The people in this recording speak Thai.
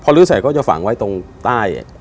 พอลื้อเสร็จเขาจะฝังไว้ตรงใต้